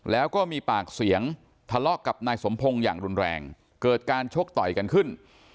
แล้วก็มีปากเสียงทะเลาะกับนายสมพงศ์อย่างรุนแรงเกิดการชกต่อยกันขึ้น